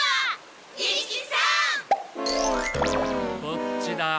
こっちだ。